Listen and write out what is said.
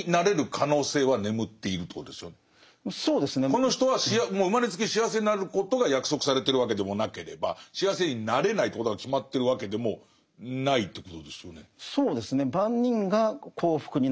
この人は生まれつき幸せになることが約束されてるわけでもなければ幸せになれないということが決まってるわけでもないということですよね。